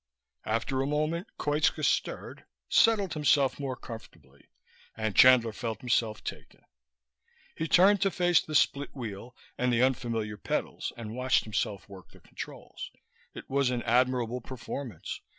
After a moment Koitska stirred, settled himself more comfortably, and Chandler felt himself taken. He turned to face the split wheel and the unfamiliar pedals and watched himself work the controls. It was an admirable performance.